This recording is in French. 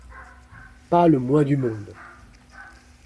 pas le moins du monde